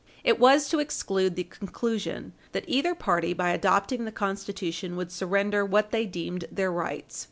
It was to exclude the conclusion that either party, by adopting the Constitution, would surrender what they deemed their rights.